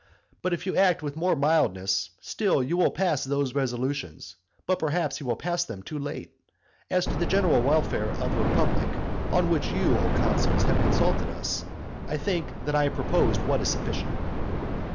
But if you act with more mildness, still you will pass those resolutions, but perhaps you will pass them too late. As to the general welfare of the republic, on which you, O consuls, have consulted us, I think that I have proposed what is sufficient.